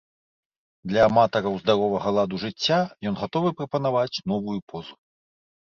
Для аматараў здаровага ладу жыцця ён гатовы прапанаваць новую позу.